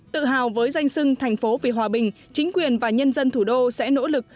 tự hào với danh sưng thành phố vì hòa bình chính quyền và nhân dân thủ đô sẽ nỗ lực